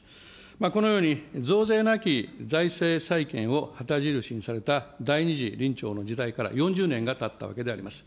このように、増税なき財政再建を旗印にされた第２次臨調の時代から４０年がたったわけであります。